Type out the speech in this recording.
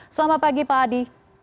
selamat pagi pak adi